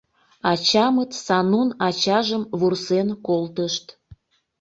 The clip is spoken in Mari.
Ачамыт Санун ачажым вурсен колтышт...